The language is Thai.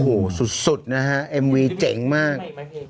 โอ้โหสุดนะฮะเอ็มวีเจ๋งมาก